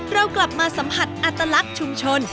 เรากลับมาสัมผัสอัตลักษณ์ชุมชน